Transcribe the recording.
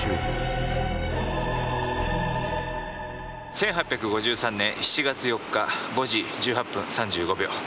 １８５３年７月４日５時１８分３５秒。